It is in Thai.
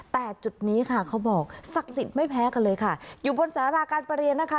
แต่จุดนี้ค่ะเขาบอกศักดิ์สิทธิ์ไม่แพ้กันเลยค่ะอยู่บนสาราการประเรียนนะคะ